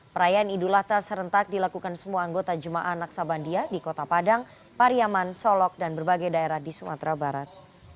perayaan idul adha serentak dilakukan semua anggota jemaah naksabandia di kota padang pariaman solok dan berbagai daerah di sumatera barat